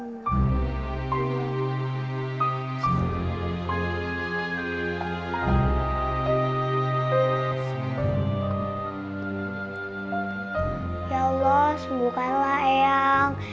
ya allah sembuhkanlah eyang